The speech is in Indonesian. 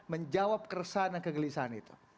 menjawab keresahan dan kegelisahan itu